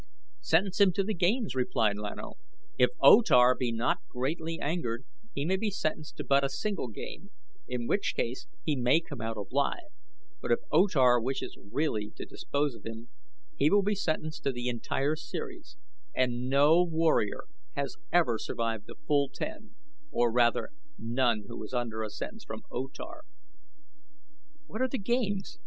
"Sentence him to the games," replied Lan O. "If O Tar be not greatly angered he may be sentenced to but a single game, in which case he may come out alive; but if O Tar wishes really to dispose of him he will be sentenced to the entire series, and no warrior has ever survived the full ten, or rather none who was under a sentence from O Tar." "What are the games?